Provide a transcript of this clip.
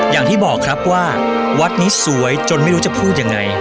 อย่างที่บอกครับว่าวัดนี้สวยจนไม่รู้จะพูดยังไง